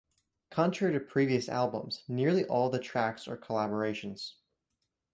Contrary to previous albums, nearly all of the tracks are collaborations.